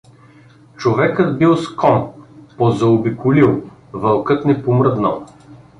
Човекът бил с кон, позаобиколил, вълкът не помръднал.